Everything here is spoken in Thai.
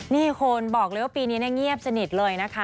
นี่คุณบอกเลยว่าปีนี้เงียบสนิทเลยนะคะ